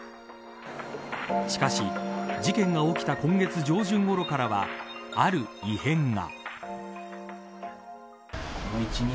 しかし、事件が起きた今月上旬ごろからはある異変が。